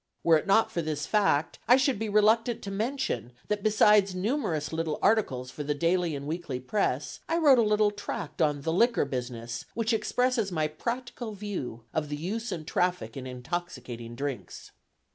Were it not for this fact, I should be reluctant to mention, that besides numerous articles for the daily and weekly press, I wrote a little tract on "The Liquor Business," which expresses my practical view of the use and traffic in intoxicating drinks.